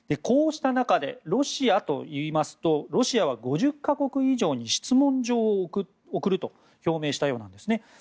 こうした中でロシアはといいますとロシアは５０か国以上に質問状を送ると表明したようです。